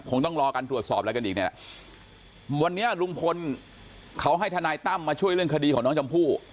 ต้องรอการตรวจสอบอะไรกันอีกเนี่ยแหละวันนี้ลุงพลเขาให้ทนายตั้มมาช่วยเรื่องคดีของน้องชมพู่